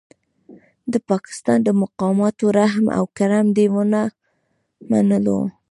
د پاکستان د مقاماتو رحم او کرم دې ونه منلو.